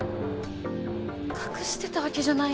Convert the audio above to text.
隠してたわけじゃないの。